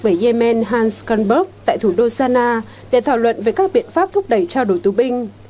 về yemen hans kahnberg tại thủ đô sana để thảo luận về các biện pháp thúc đẩy trao đổi tù binh